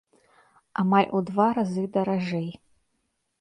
Амаль у два разы даражэй.